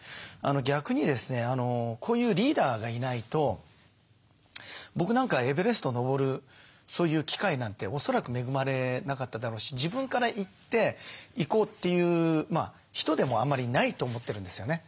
逆にですねこういうリーダーがいないと僕なんかはエベレスト登るそういう機会なんて恐らく恵まれなかっただろうし自分からいって行こうという人でもあまりないと思ってるんですよね。